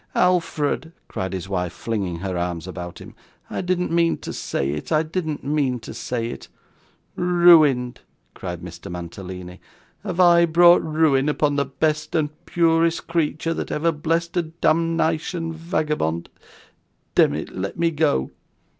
'Alfred,' cried his wife, flinging her arms about him, 'I didn't mean to say it, I didn't mean to say it!' 'Ruined!' cried Mr. Mantalini. 'Have I brought ruin upon the best and purest creature that ever blessed a demnition vagabond! Demmit, let me go.